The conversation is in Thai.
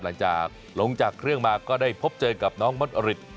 หลังจากลงจากเครื่องมาก็ได้พบเจอกับน้องมดอริด